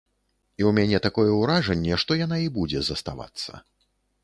І ў мяне такое ўражанне, што яна і будзе заставацца.